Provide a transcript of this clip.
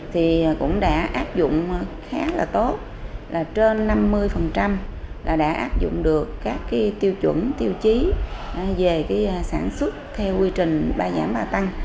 thì cũng đã áp dụng khá là tốt là trên năm mươi là đã áp dụng được các tiêu chuẩn tiêu chí về sản xuất theo quy trình ba giảm ba tăng